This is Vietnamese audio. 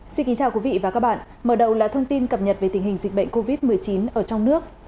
xin kính chào quý vị và các bạn mở đầu là thông tin cập nhật về tình hình dịch bệnh covid một mươi chín ở trong nước